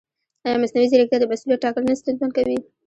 ایا مصنوعي ځیرکتیا د مسؤلیت ټاکل نه ستونزمن کوي؟